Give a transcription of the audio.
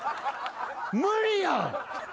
無理やん。